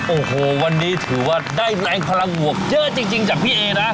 โอ้โหวันนี้ถือว่าได้แรงพลังบวกเยอะจริงจากพี่เอนะ